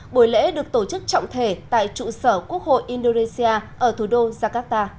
buổi lễ được tổ chức trọng thể tại trụ sở quốc hội indonesia ở thủ đô jakarta